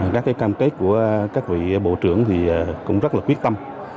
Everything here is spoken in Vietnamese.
các cam kết của các vị bộ trưởng thì cũng rất là quyết tâm